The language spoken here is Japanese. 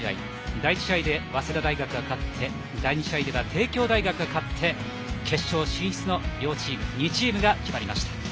第１試合、早稲田大学が勝って第２試合では帝京大学が勝って決勝進出の２チームが決まりました。